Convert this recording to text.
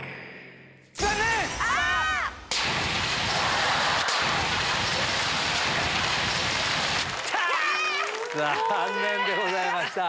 残念でございました。